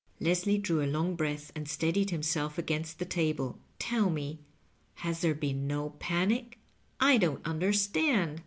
Leslie drew a long breath, and steadied himself against the table. ^^ Tell me, has there been no panic i I don't nnderstand."